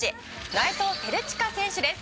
内藤耀悠選手です」